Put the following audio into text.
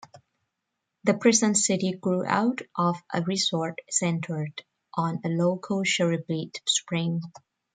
The present city grew out of a resort centered on a local chalybeate spring.